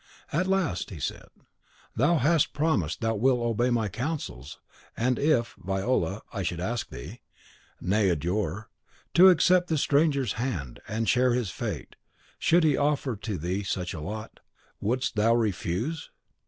At last he said, "Thou hast promised thou wilt obey my counsels, and if, Viola, I should ask thee, nay adjure, to accept this stranger's hand, and share his fate, should he offer to thee such a lot, wouldst thou refuse?"